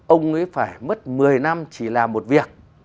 ông ấy phải mất một mươi năm chỉ làm một việc